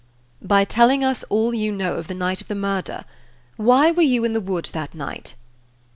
"By telling us all you know of the night of the murder. Why were you in the wood that night?"